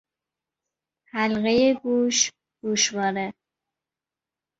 حلقهی گوش، گوشواره